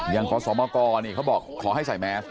ยังขอสอบคอนี่เขาบอกขอให้ใส่แมส